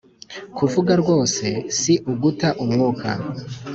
kuvuga rwose si uguta umwuka